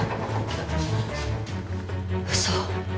嘘。